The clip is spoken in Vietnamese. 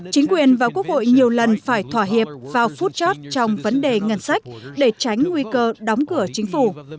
chính quyền và quốc hội nhiều lần phải thỏa hiệp vào phút chót trong vấn đề ngân sách để tránh nguy cơ đóng cửa chính phủ